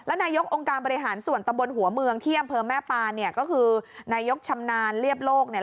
นายกองค์การบริหารส่วนตำบลหัวเมืองที่อำเภอแม่ปานเนี่ยก็คือนายกชำนาญเรียบโลกเนี่ย